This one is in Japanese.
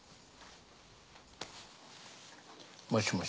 もしもし。